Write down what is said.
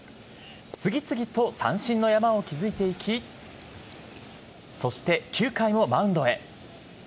次々と三振の山を築いていきそして、９回もマウンドへ。